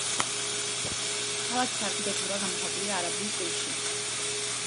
ქალაქის არქიტექტურა გამოხატულია არაბულ სტილში.